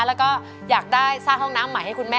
แล้วก็อยากได้สร้างห้องน้ำใหม่ให้คุณแม่